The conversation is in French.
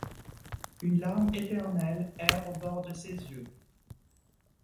Une larme éternelle erre au bord de ses yeux…